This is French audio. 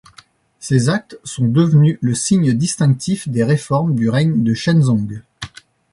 Ces actes sont devenus le signe distinctif des réformes du règne de Shenzong.